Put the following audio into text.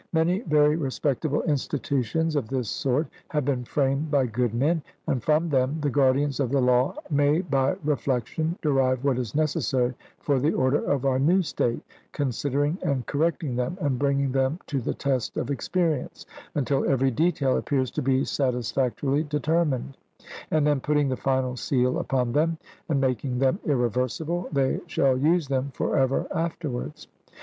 Many very respectable institutions of this sort have been framed by good men, and from them the guardians of the law may by reflection derive what is necessary for the order of our new state, considering and correcting them, and bringing them to the test of experience, until every detail appears to be satisfactorily determined; and then putting the final seal upon them, and making them irreversible, they shall use them for ever afterwards.